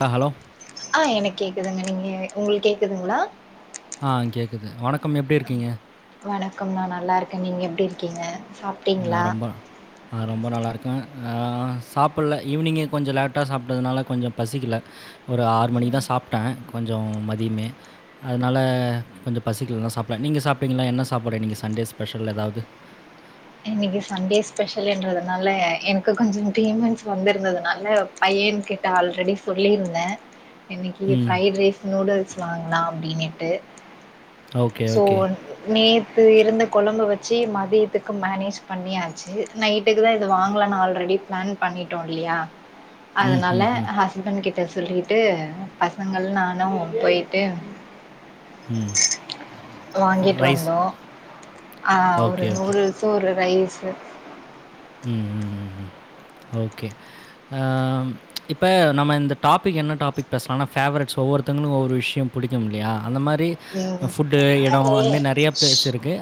ஆ hello அ எனக் கேக்குதுங்க நீங்க உங்குளுக் கேக்குதுங்ளா ஆ கேக்குது வணக் வணக்கம் நா நல்லாருக்கே நீங்க எப்டி இருக்கீங்க நா சாப்ட்டீங்களா? ரொம்ப நா ரொம்ப நல்லாருக்கே ஆ சாப்பில்ல ஈவினிங்கே கொஞ்சு லேட்டா சாப்ட்டதுனால கொஞ்சு பசிக்கில ஒரு ஆறு மணிக்கு தா சா சாப்ட்டே கொஞ்சோ மதிமே அதனால கொஞ்சு பசிக்கில்னு சாப்ல நீங்க சாப்ட்டீங்களா என்ன சாப்பாடு இன்னிக்கி சண்டே ஸ்பெஷல் எதாவது இன்னிக்கி சண்டே ஸ்பெஷல்ன்றதுனால எனக்கு கொஞ்சு பேமெண்ஸ் வந்தருந்ததுனால பையன் கிட்ட ஆல்ரெடி சொல்லியிருந்தே இன்னிக்கி ம். ஃப்ரைட் ரைஸ் நூடுல்ஸ் வாங்லா அப்டினிட்டு ஓகே, சோ ஓகே. நே த்து இருந்த கொழம்பு வெச்சி மதியத்துக்கு மேனேஜ் பண்ணியாச்சு நைட்டுக்கு தா இது வாங்லான் ஆல்ரெ டி பிளான் பண்ணிட்டோ இல்லியா ம், அதனால ம், ம், ஹஸ்பணு கிட் ட சொல்லிட்டு பசங்கள் நானு போயிட்டு ம் வாங்கிட் ரைஸ். வந்தோ அ ஒரு ஓகே, ஓகே. நூடுல்ஸு ஒரு ரைஸு ம் ம் ம் ம் ஓகே அ ம் இப்ப நம்ம இந்த டாபிக் என்ன டாபிக் பேஸ்லானா ஃபேவரெட்ஸ் ஒவ்வொருத்த ன்னு ஒவ்வொரு விஷய புடிக்கும் இல்லையா அந்த மாரி ம் ஃபுட்டு எட அந்த மாரி நெறைய பிளேஸ் இருக்கு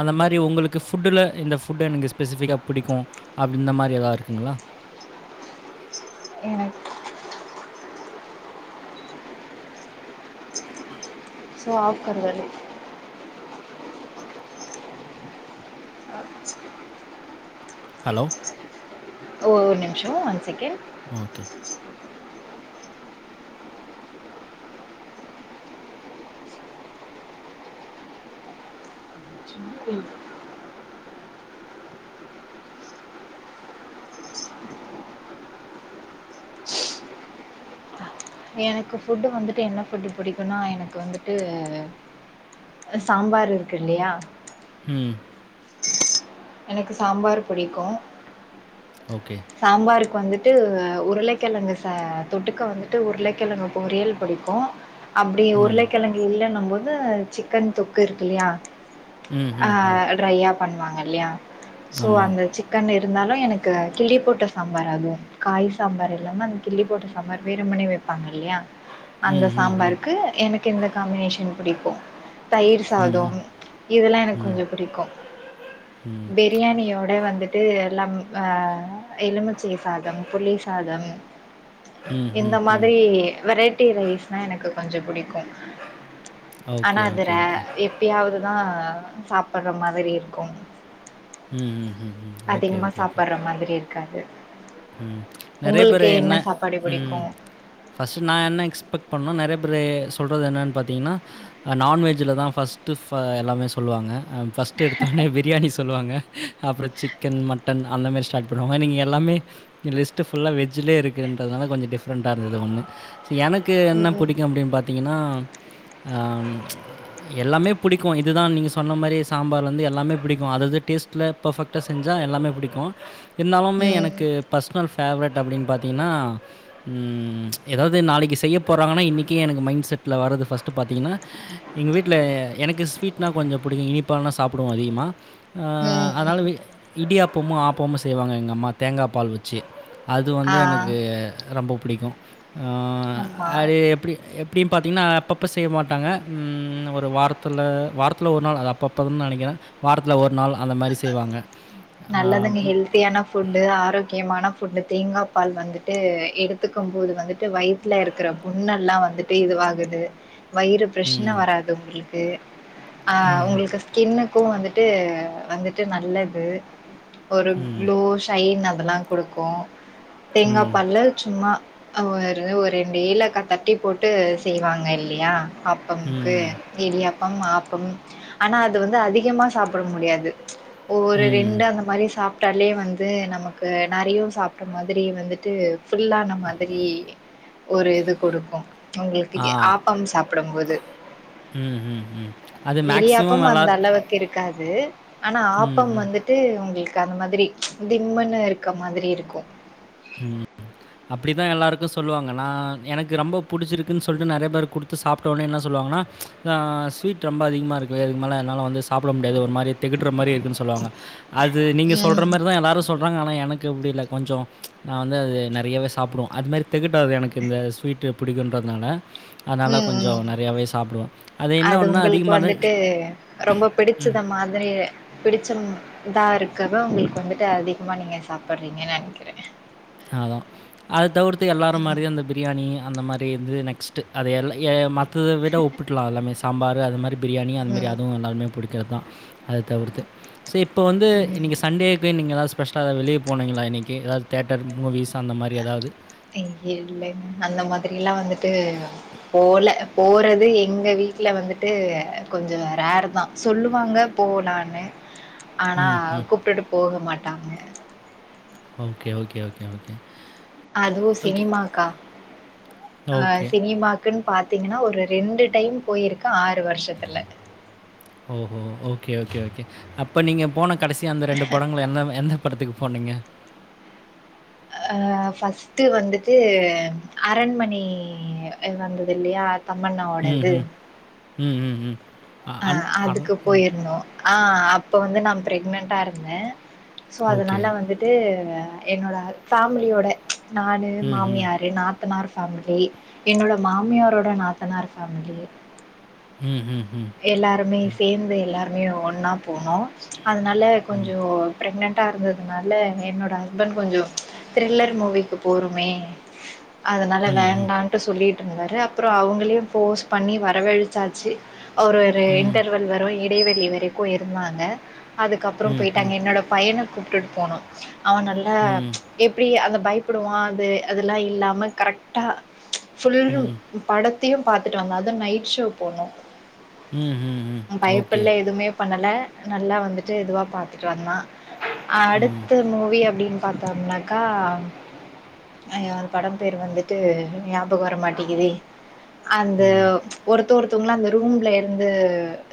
அந்த மாரி உங்களுக்கு ஃபுட்டுல இந்த ஃபுட்டு எனக்கு ஸ்பெசிஃபிக்கா புடிக்கு அப்டி இந்த மாரி எதா இருக்குங்ளா எனக்கு சோளக்கருதல் ஆ ஹலோ ஒரு நிமிஷ ஒன் செகண்ட் ஓகே. ம் எனக்கு ஃபுட்டு வந்துட்டு என்ன ஃபுட்டு பிடிக்குன்னா எனக்கு வந்துட்டு சாம்பார் இருக்கு இல்லையா ம் எனக்கு சாம்பார் புடிக்கு ஓகே. சாம்பாருக்கு வந்து ட்டு உருளைக்கிழங்கு ச தொட்டுக்க வந்துட்டு உருளைக்கிழங்கு பொரியல் பிடிக்கு அப்டி ம். உருளைக்கிழங்கு இல்லன்னம் போது சிக்கன் தொக்கு இருக்கு இல்லையா ம், ஆ ம், ம். ட்ரையா பண்ணுவாங்க இல்லையா சோ ஆமா. அந்த சிக்கன் இருந்தாலு எனக்கு கிள்ளி போட்ட சாம்பார் அதுவு காய் சாம்பார் இல்லாம அந்த கிள்ளி போட்ட சாம்பார் வெறுமனே வெப்பாங்க இல்லையா அந்த ம், ம், ம். சாம்பாருக்கு எனக்கு இந்த காம்பினேஷன் பிடிக்கு தயிர் ம், சாதம் ம். இதெல்லா எனக்கு கொஞ்ச பிடிக்கு பிரியாணியோட வந்து ட்டு லெம் அ எலுமிச்சை சாதம் புளி சாதம் ம், ம், இந்த ம். மாதிரி வெரைட்டி ரைஸ்னா எனக்கு கொஞ்சம் பிடிக்கும் ஆனா ஓகே, அது ஓகே, ரே ஓகே. எப்பயாதுதா சாப்படற மாதிரி இருக்கும் ம் ம் ம் ம் ஓகே அதிகமா ஓகே ஓகே சாப்படுற மாதிரி இருக்காது. ம் நெறைய உங்களுக்கு பேரு என்ன சாப்பாடு ம் பிடிக்கும்? ஃபஸ்ட் நா என்ன எக்ஸ்பெக்ட் பண்ணா நெ றய பேரு சொல்றது என்னென்னு பாத்திங்கனா நான்வெஜ்ஜுலதா ஃபர்ஸ்ட்டு ஃப எல்லாமே சொல்வாங்க ஃபஸ்ட்டு எடுத்தோனே பிரியாணி சொல்வாங்க அப்ற சிக்கன் மட்டன் அந்த மாரி ஸ்டார்ட் பண்ணுவாங்க நீங்க எல்லாமே லிஸ்ட்டு ஃபுல்லா வெஜ்லயே இருக்குன்றதுனால கொஞ்ச டிஃப்ரெண்டா இருந்தது ஒண்ணு இப்ப எனக்கு என்ன ம். புடிக்கு அப்டின்னு பாத்திங்கன்னா ஆ எல்லாமே புடிக்கு இதுதான் நீங்க சொன்ன மாரி சாம்பார்ல இருந்து எல்லாமே புடிக்கு அதாது டேஸ்ட்ல பர்ஃபெக்ட்டா செஞ்சா எல்லாமே புடிக்கு இருந்தாலும்மே எனக்கு ம். பர்ஸனல் ஃபேவரெட் அப்படின்னு பாத்திங்கன்னா ம் எதாவது நாளைக்கு செய்ய போறாங்கன்னா இன்னைக்கே எனக்கு மைண்ட் செட்ல வர்றது ஃபஸ்ட்டு பாத்திங்கனா எங்க வீட்ல எனக்கு ஸ்வீட்னா கொஞ்ச புடிக்கு இனிப்பானா சாப்பு டுவ அதிகமா ஆ ம், அதனால ம். இடியாப்பமு ஆப்பமு செய்வாங்க எங்கம்மா தேங்காப்பால் வெச்சு அது வந்து ஆ, எனக்கு ரொம்ப பிடிக்கு ஆ ஆமா. அது எப்படி எப் படியு பாத்திங்கன்னா அப்பப்போ செய்ய மாட்டாங்க ம் ஒரு வாரத்துல வாரத்துல ஒரு நாள் அது அப்பப்போ தான் நெனைக்கிற வாரத்துல ஒரு நாள் அந்த மாரி செய்வாங்க நல்லதுங்க ஹெல்த்தியான ஃபுட்டு, ஆரோக்கியமான ஃபுட்டு தேங்கா பால் வந்துட்டு எடுத்துக்கம் போது வந்துட்டு வயித்துல இருக்கிற புண் ணெல்லா வந்துட்டு இதுவாகுது வயிறு பிரச்ன ம். வராது உங்குளுக்கு ஆ ம். உங்களுக்கு ஸ்கின்னுக் கு வந்துட்டு வந்துட்டு நல்ல இது ஒரு ம். குளோ ஷைன் அதெல்லா குடுக்கு ம். தேங்காப்பாலு சும்மா ஒரு ஒரு ரெண்டு ஏலக்கா தட்டி போட்டு செய்வாங்க இல்லையா ஆப்பமுக்கு ம். இடியாப்பம் ஆப்பம் ஆனா அது வந்து அதிகமா சாப்பிட முடியாது ஒரு ம். ரெண்டு அந்த மாரி சாப் ட்டாலே வந்து நமக்கு நெறையு சாப்ட்ட மாதிரி வந்துட்டு ஃபுல்லான மாதிரி ஒரு இது குடுக்கு ஆ. உங்களுக்கு ஆப்பம் சாப்டும் போது ம். ம். ம். அது மேக்ஸிமம் இடியாப்பம் அந்த எல்லார் அளவுக்கு இருக்காது ஆனா ம். ஆப்பம் ம். வந்துட்டு உங்களுக்கு அந்த மாதிரி திம்மன்னு இருக்க மாதிரி இருக்கும் அப்படிதான் எல்லாருக்கும் சொல்லுவாங்க ந எனக்கு ரொம்ப புடிச்சிருக்குன்னு சொல்ட்டு நறைய பேர் கொடுத்து சாப்ட்ட உடனே என்ன சொல்லுவாங்கன்னா ஆ ஸ்விட் ரொம்ப அதிகமா இருக்கு இதுக்கு மேல என்னாலவந்து சாப்ட முடியாது ஒரு மாரி திகட்டுற மாதிரி இருக்கு சொல்லுவாங்க அது நீங்க ம். சொல்ற மாரி தான் எல்லாரும் சொல்றாங்க ஆனா என் எனக்கு அப்படி இல்ல கொஞ்சம் நான் வந்து அது நறையாவே சாப்படுவ அது மாதிரி திகட்டாது எனக்கு இந்த ஸ்வீட்டு பிடிக்குன்றதுனால அதனால ம், ம். கொஞ்சம் நறையாவே சாப்படுவ அது என்ன ஒன்னா உங்களுக்கு அதிகமான வந்துட்டு ரொம்ப பிடிச்சத மாதிரி பிடிச்ச ம் இதா இருக்கத உங்களுக்கு வந்துட்டு அதிகமா நீங்க சாப்பிடுறீங்கன்னு நினைக்கிறேன் அதான் அது தவிர்த்து எல்லாரும் ம், மாரியும் அந்த பிரியாணி அந்த மாரி இருந்து நெக்ஸ்ட் அத எல்லா மத்த விட ஒப்புடலாம் எல்லாமே சாம்பார் அது மாதிரி பிரியாணி அந்தமாரி ம், அதுவும் எல்லாருமே புடிக்கிறதுதான் அது தவிர்த்து சே இப்போ வந்து ம். இன்னைக்கு சண்டேக்கு நீங்க ஸ்பெசலா எதா வெளியே போனங்களா இன்றைக்கு ஏதாவது தேட்டர் மூவிஸ் அந்த மாதிரி ஏதாவது இல்லைங்க அந்த மாதிரி எல்லா வந்துட்டு போல போறது எங்கள் வீட்டில் வந்துட்டு கொஞ்சம் ரேர் தான் சொல்லுவாங்க போலான்னு ஆனா ம், ம். கூப்பிட்டுட்டு போக மாட்டாங்க ஓகே ஓகே ஓகே ஓகே அதுவும் ஓகே. சினிமாக்கா அ ஓகே. சினிமாக்குன் பார்த்தீங்கன்னா ஒரு ரெண்டு டைம் போயிருக்கே ஆறு ஓஹோ ஓகே ஓகே ஓகே அப்ப நீங்க போன கடைசியா அந்த ரெண்டு படங்களும் என்ன எந்த படத்துக்கு போனீங்க அ ஃபஸ்ட்டு வந்துட்டு அரண்மனை வந்தது இல்லையா ம், தம்மண்ணாவோடது ம். ம் ம் ம் அ அன் அர அதுக்கு ம். போயிருந்தோ ஆ அப்போ வந்து நான் ப்ரெக்னன்டா இருந்தேன் ஸோ ஓகே. அதனால வந்துட்டு என்னோட ஃபேமிலியோட நானு ம், ம். மாமியாரு நாத்த நாத்தனார் ஃபேமிலிஎன்னோட மாமியாரோட நாத்தனார் ஃபேமிலி ம் ம் எல்லாருமே சேர்ந்து எல்லாருமே ஒன்னா போனோம் அதனால கொஞ்சம் ப்ரெக்னன்ட்டா இருந்ததுனால என்னோட ஹஸ்பண்ட் கொஞ்சம் த்ரில்லர் மூவிக்கு போருமே அதனால ம்ஹ்ம். வேண்டான்ட்டு சொல்லிட்டு இருந்தாரு அப்புறம் அவங்களையும் ஃபோர்ஸ் பண்ணி வரவழிச்சாச்சு ஒரு ஒரு ம். இன்டர்வெல் வரும் இடைவெளி வரைக்கும் இருந்தாங்க அதுக்கப்புறம் ம். ம். போயிட்டாங்க என்னோட பையனை கூப்பிட்டுட்டு போனோம் அவன் நல்லா ம். எப்படி அந்த பயப்படுவான் அது அதெல்லா இல்லாம கரெக்டா ஃபுல்லு ம். படத் படத்தையும் பாத்துட்டு வந்தோம் அதுவும் நைட் ஷோ போனோம் ம்ஹ்ஹ்ம். ஓகே. பயப்பல எதுவுமே பண்ணல நல்லா வந்துட்டு எதுவா பார்த்துட்டு வந்தான் ம். அடுத்த மூவி அப்படின்னு பாத்தம்னாக்கா ஐயா அந்த படம் பெயர் வந்துட்டு ஞாபகம் வர மாட்டேங்குதே அந்த ம். ஒருத்த ஒருத்தவங்கள அந்த ரூம்ல இருந்து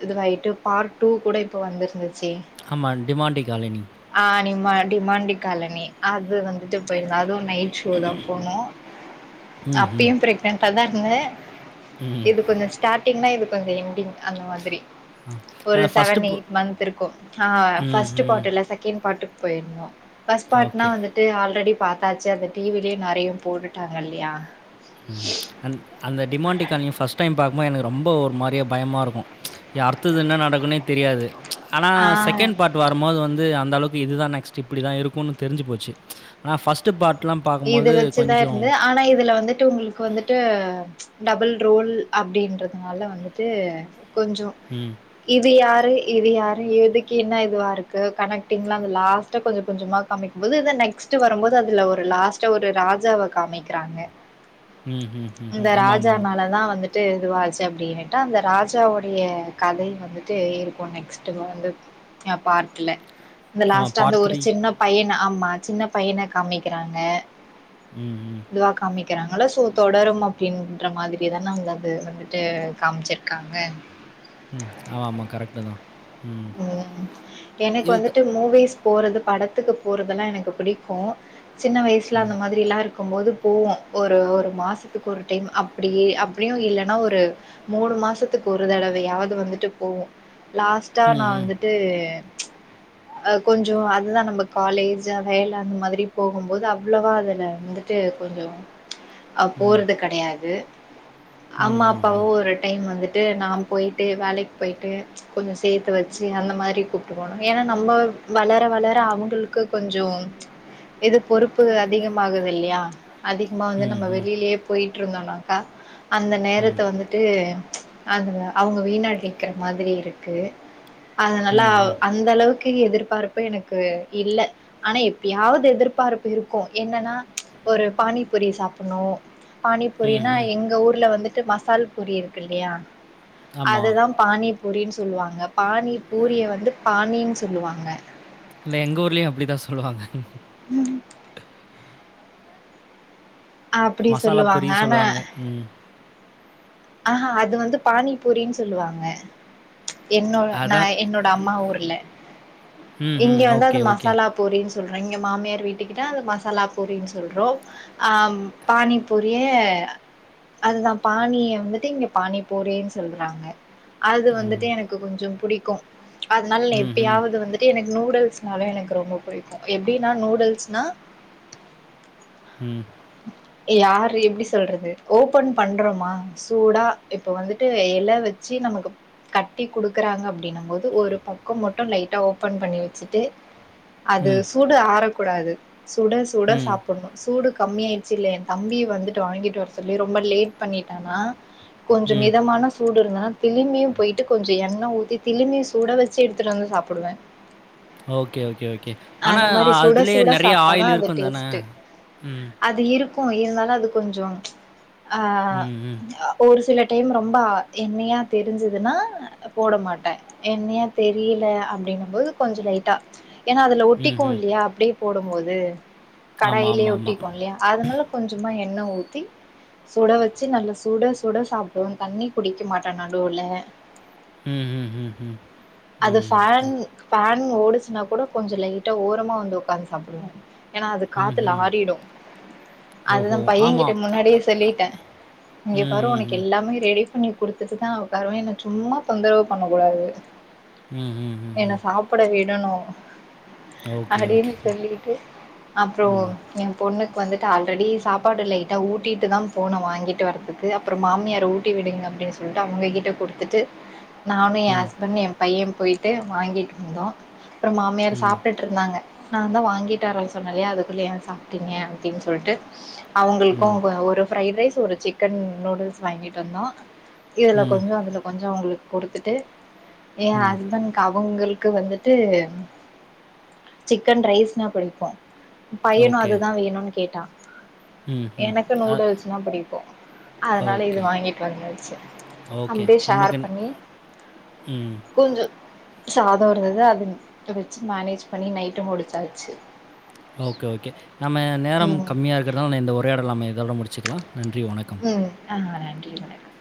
இதுவாகிட்டு பார்ட் டூ கூட இப்ப வந்துருந்துது ஆமா டிமாண்டி காலனி ஆமா டிமாண்டி காலனி அது வந்துட்டு போயிருந்த அது நைட் ஷோ தான் போனோம் ம்ஹ்ம். அப்பயும் பிரெக்னன்டா தான் இருந்தே இது கொஞ்சம் ஸ்டார்டிங்னா இது கொஞ்சம் எண்டிங் அந்த மாதிரி ஒரு அதான் ஃபர்ஸ்ட்டு செவன் பு எயிட் மன்த் இருக்கும் ஆ ஃபர்ஸ்ட் ம்ஹ்ம். பார்ட் இல்ல செகண்ட் பார்ட் போயிட்னு ஃபஸ்ட் பார்ட்னா ஓகே. வந்துட்டு ஆல்ரெடி பாத்தாச்சு அந்த டிவிலயும் நெறைய போட்டுட்டாங்க இல்லையா அந் அந்த டிமாண்டி காலணி ஃபஸ்ட் டைம் பாக்கும் போது எனக்கு ரொம்ப ஒரு மாரி பயமா இருக்கும் அடுத்தது என்ன நடக்குன்னே தெரியாது ஆனால் ஆ செகண்ட் பார்ட் வரும்போது வந்து அந்த அளவுக்கு இதுதா நெக்ஸ்ட் இப்புடிதா இருக்குன்னு தெரிஞ்சு போச்சு ஆனா பஸ்ட்டு பார்ட் இது வச்சுதா இருந்து ஆனா இதுல வந்துட்டு உங்களுக்கு வந்துட்டு டபுள் ரோல் அப்டின்றதுனால வந்துட்டு கொஞ்சோ ம். இது யாரு இது யாரு எதுக்கு என்னா இதுவா இருக்கு கனெக்டிங்லா அந்த லாஸ்ட் கொஞ்ச கொஞ்சமா காமிக்கும் போது இதா நெக்ஸ்ட் நெக்ஸ்ட் வரும்போது அதுல ஒரு லாஸ்ட்டா ஒரு ராஜாவ காமிக்கிறாங்க ம்ஹ்ஹ்ம். இந்த ராஜ ஆமாமாமா. மேலதா வந்துட்டு ட்டு இதுவாச்சு அப்டினுட்டு அந்த ராஜாவுடைய கதை வந்துட்டு இருக்கும் நெக்ஸ்ட்டு வந்து ஆ பார்ட்டுல இந்த ஆமா லாஸ்ட்டா அந்த பார்ட் ஒரு சின்ன பையன ஆமா சின்ன பையன காமிக்கிறாங்க ம் ம் இதுவா காமிக்கிறாங்கள சோ தொடரும் அப்டின்ற மாதிரிதான வந்து அது வந்துட்டு காமிச்சிருக்காங்க ம். ஆமா, ஆமா. கரெக்ட்டு தான். ம் எனக்கு இது த வந்துட்டு மூவிஸ் போறது படத் படத்துக்கு போறதெல்லா எனக்கு பிடிக்கும் சின்ன வயசுல அந்த மாதிரில்லா இருக் இருக்கும் போது போவோம் ஒரு ஒரு மாசத்துக்கு ஒரு டைம் அப்டி அப்டியு இல்லன்னா ஒரு மூணு ஒரு மாசத்துக்கு ஒரு தடவையாவது வந்துட்டு போவோம் லாஸ்டா நா ம், ம், வந்துட்டு அ கொஞ்சோ அதுதா நம்ம காலேஜ் வேல அந்த மாதிரி போகும்போது அவ்வளவா அதுல வந்துட்டு கொஞ்சோ ம், போறது கெடையாது ம், அம்மா அப்பாவு ம், ஒரு டைம் வந்துட்டு நா போயிட்டு வேலைக்கு போயிட்டு கொஞ்ச சேத்து வச்சு அந்த மாரி கூப்புட்டுக்குவோ நாங்க ஏன்னா நம்ம வளர வளர அவுங்களுக்கு கொஞ்சம் இது பொறுப்பு அதிகமாகுது இல்லையா அதிகமா ம், வந்து ம், ம், நம்ம ம், வெளியிலயே போயிட்டு இருந்தோன்னாக்கா அந்த ம், நேரத்த வந்துட்டு அந்த அவுங்க வீணடிக்கிற மாதிரி இருக்கு அத நல்லா ம், அந்தளவுக்கு எதிர்ப்பு எதிர்பார்ப்பு எனக்கு இல்ல ஆனா எப்பையாவது எதிர்பார்ப்பு இருக்கூ என்னன்னா ஒரு பானிபூரி சாப்டணு ம், பானிபூரினா ம். எங்க ஊர்ல வந்துட்டு மசால் பொரி இருக்கு இல்லையா ஆமா. அதுதா பானிபூரினு சொ சொல்லுவாங்க பாணி பூரிய வந்து பாணின்னு சொல்லுவாங்க இல்ல எங்க ஊர்லயும் அப்புடிதா சொல்லுவாங்க ம் அப்புடி மசாலா சொல்லுவாங்க பூரின்னு ஆனா சொல்லுவாங்க. ம். ஆஹா அது வந்து பானிபூரினு சொல்லுவாங்க என்னோ நா அதான். என்னோட அம்மா ஊர்ல ம், இங்க ம். வந்து அது ஓகே, ஓகே. மசாலா பூரின்னு சொல் சொல்றோ இங்க மாமியார் வீட்டுக்கிட்ட அத மசாலா பூரினு சொல்றோம் ஆ பானிபூரிய அதுதா பாணிய வந்துட்டு இங்க பாணி பூரின்னு சொல்றாங்க அது வந்துட்டு எனக்கு கொஞ்சோ புடிக்கு அதனால நா ம், ம், எப்பையாவது வந்துட்டு எனக்கு நூடுல்ஸ்னாலு எனக்கு எனக்கு ரொம்ப புடிக்கு எப்டின்னா நூடுல்ஸ்னா ம் யாரு எப்டி சொல்றது ஓபன் பண்றோமா சூடா இப்ப வந்துட்டு எல வச்சு நமக்குப் கட்டி குடுக்குறாங்க அப்டினம் போது ஒரு பக்கம் மட்டு லைட்டா ஓபன் பண்ணி வச்சுட்டு அது ம், சூடு ஆறக்கூடாது சுட சுட ம், சாப்புணு சூடுக்கு கம்மிய ஆயிடுச்சு இல்ல ஏ தம்பி வந்துட்டு வாங்கிட்டு வர சொல்லி ரொம்ப லேட் பண்ணிட்டானா கொஞ்சம் ம். மிதமான சூடு இருந்துதன்னா திளிம்பியு போயிட்டு கொஞ்சோ எண்ணெய ஊ திளிம்பியு சுட வச்சு எடுத்துட்டு வந்தது சாப்புடுவ ஓகே ஓகே ஓகே ஓகே ஆனா அந்த மாரி சுட அதுலயே சுட நெறைய சாப்ட்டா தான் ஆயில் அது இருக்கு தான ம் இருக்கு இருந்தாலு அது கொஞ்சோ அ ம், ம், ஒரு சில டைம் ரொம்ப எண்ணயா தெரிஞ்சுதுன்னா போட மாட்ட எண்ணெயா தெரி யல அப்டின்னும் போது கொஞ்ச லைட்டா ஏன்னா ல ம், ஒட்டிக்கு ம். இல்லியா அப்டியே போடும் போது ஆமா, கடாயிலேயே ஆமா, ஆமா. ஒட்டிக்கு இல்லியா அதனால கொஞ்சமா எண்ண ஊத்தி சுட வச்சு நல்லா சுட சுட சாப்டுவோம் தண்ணி குடிக்க மாட்ட நடுவுல ம், ம், ம், ம், அது ம், ஃபன் ஃபன் ஓடுச்சுன்னா கூட கொஞ்ச லைட்டா ஓரமா வந்து உக்காந்து சாப்டுவோ ஏன்னா அது ம், காத்துல ம். ஆறிடு ஓஹோ! அதுதான் பையன் ஆமா. கிட்ட முன்னாடியே சொல்லிட்ட இங்கே ம், பாரு ம், ஒனக்கு ம். எல்லாமே ரெடி பண்ணி குடுத்துட்டு தான் உக்காருவ என்ன சும்மா தொந்தரவு பண்ண கூடாது ம், ம், என்ன ம். சாப்புட விடணு ஓகே, ஓகே. அப்டின்னு சொல்லிட்டு அப்புறோ ம், என் பொண்ணு வந்துட்டு ஆல்ரெடி சாப்பாடு லைட்டாக ஊட்டிட்டு தான் போன வாங்கிட்டு வரதுக்கு அப்புறம் மாமியார் ஊட்டி விடுங்க அப்டின் சொல்ட்டு அவுங்க கிட்ட குடுத்துட்டு நானு என் ம், ம், ஹஸ்பண்ட் என் பையன் போயி்ட்டு வாங்கிட்டு வந்தோ அப்புறம் மாமியார் ம், சாப்டுட்டு இருந்தாங்க நான் தான் வாங்கிட்டு வரேன்னு சொன்னேல்லையா அதுக்குள்ள ஏன் சாப்ட்டீங்க அப்டின் சொல்ட்டு அவுங்களுக்கும் ம், ஒரு ஃப்ரைட் ரைஸ் ஒரு சிக்கன் நூடுல்ஸ் வாங்கிட்டு வந்தோ இதுல கொஞ்சோ அதுல கொஞ்சோ அவுங்களுக்கு கொடுத்துட்டு என் ம். ஹஸ்பண்ட் க அவுங்களுக்கு வந்துட்டு சிக்கன் ரைஸ்னா பிடிக்கு பையனு ஓகே. அதுதா வேணுனு கேட்டா ம், ம். எனக்கு அ நூடுல்ஸ்னா பிடிக்கு அதனால இது ஓகே, வாங்கிட்டு வந்தாச்சு ஓகே. அப்டியே ஷேர் நம்மளுக்கு பண்ணி ம். கொஞ்ச சாத இருந்தது அது வச்சு மேனேஜ் பண்ணி நைட்ட முடிச்சாச்சு ஓகே ஓகே நம்ம நேரம் ம் கம்மியா இருக்கிறதனால நான் இந்த உரயாடல நம்ம இதோட முடிச்சுக்லா ம் நானு வர நன்றி வணக்கம்